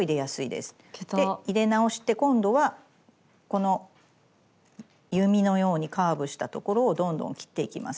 で入れ直して今度はこの弓のようにカーブしたところをどんどん切っていきます。